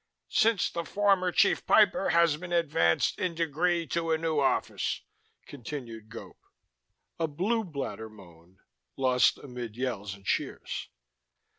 " since the former Chief Piper has been advanced in degree to a new office," continued Gope. A blue bladder moaned, lost amid yells and cheers.